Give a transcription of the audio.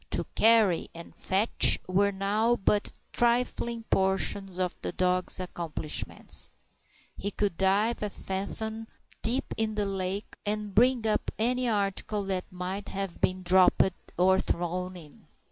To "carry" and "fetch" were now but trifling portions of the dog's accomplishments. He could dive a fathom deep in the lake and bring up any article that might have been dropped or thrown in.